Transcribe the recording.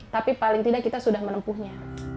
tapi paling tidak kita sudah menempuhnya